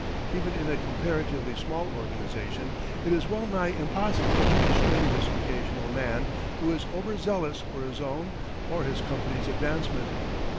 Even in a comparatively small organization it is wellnigh impossible to restrain this occasional man who is over zealous for his own or his company's advancement.